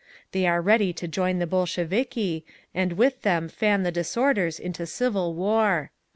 They are ready to join the Bolsheviki, and with them fan the disorders into civil war.